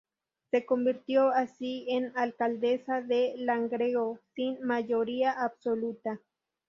Se convirtió así en alcaldesa de Langreo, sin mayoría absoluta.